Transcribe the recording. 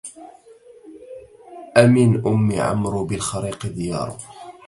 أمن أم عمرو بالخريق ديار